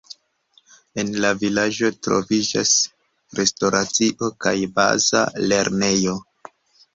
En la vilaĝo troviĝas restoracio kaj baza lernejo.